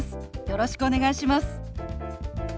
よろしくお願いします。